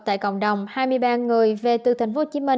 tại cộng đồng hai mươi ba người về từ tp hcm